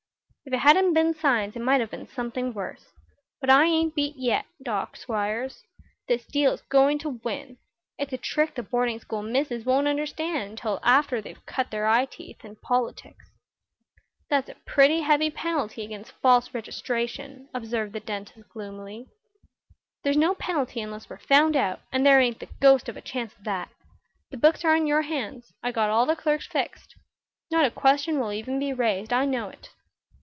"If it hadn't been signs it might have been something worse. But I ain't beaten yet, Doc. Squiers. This deal is going to win. It's a trick the boarding school misses won't understand until after they've cut their eye teeth in politics." "There's a pretty heavy penalty against false registration," observed the dentist, gloomily. "There's no penalty unless we're found out, and there ain't the ghost of a chance of that. The books are in your hands; I got all the clerks fixed. Not a question will even be raised. I know it.